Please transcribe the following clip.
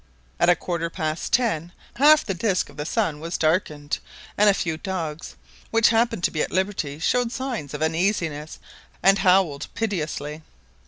At a quarter past ten half the disc of the sun was darkened, and a few dogs which happened to be at liberty showed signs of uneasiness and howled piteously.